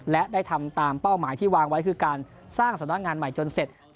และได้ทำตามเป้าหมายที่วางไว้คือการสร้างสำนักงานใหม่จนเสร็จ